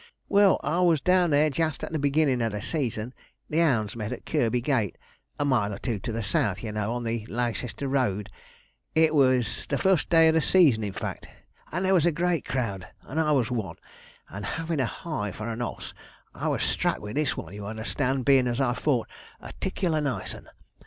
Well, I was down there just at the beginnin' of the season, the 'ounds met at Kirby Gate a mile or two to the south, you know, on the Leicester road it was the fust day of the season, in fact and there was a great crowd, and I was one; and havin' a heye for an oss, I was struck with this one, you understand, bein' as I thought, a 'ticklar nice 'un.